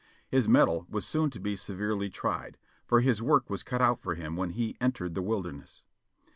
His metal was soon to be severely tried, for his work was cut out for him when he entered the Wilderness.